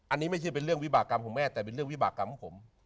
อันนี้ไม่ใช่เป็นเรื่องวิบากรรมของแม่แต่เป็นเรื่องวิบากรรมของผม